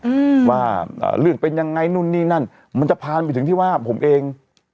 อืมว่าอ่าเรื่องเป็นยังไงนู่นนี่นั่นมันจะผ่านไปถึงที่ว่าผมเอง